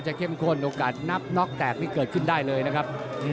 เข้มข้นโอกาสนับน็อกแตกนี่เกิดขึ้นได้เลยนะครับ